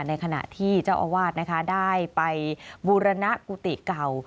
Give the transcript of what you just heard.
ในขณะที่เจ้าอาวาสนะคะได้ไปบูรณกุฏิเก่า